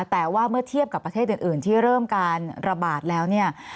แต่ว่าเมื่อเทียบกับประเทศอื่นที่เริ่มการระบาดแล้วเนี่ย